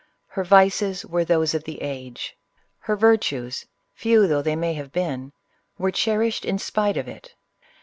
li r vices were those of the age: — her virtues, few though they may have been, were cherished in spite of it.